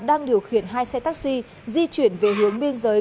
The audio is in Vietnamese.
đang điều khiển hai xe taxi di chuyển về hướng biên giới